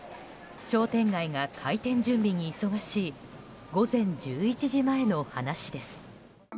商店街が開店準備に忙しい午前１１時前の話です。